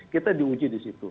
kita diuji disitu